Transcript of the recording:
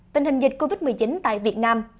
tình hình dịch covid một mươi chín tại việt nam